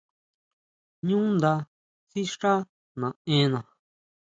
Ñu nda sixá naʼena.